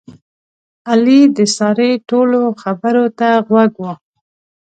علي د سارې ټولو خبرو ته غوږ و.